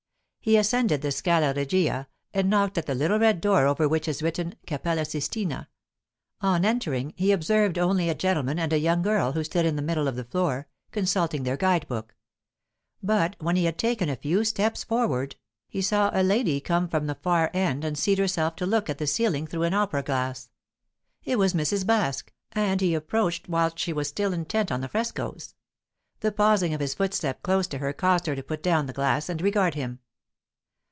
He ascended the Scala Regia, and knocked at the little red door over which is written, "Cappella Sistina." On entering, he observed only a gentleman and a young girl, who stood in the middle of the floor, consulting their guide book; but when he had taken a few steps forward, he saw a lady come from the far end and seat herself to look at the ceiling through an opera glass. It was Mrs. Baske, and he approached whilst she was still intent on the frescoes. The pausing of his footstep close to her caused her to put down the glass and regard him.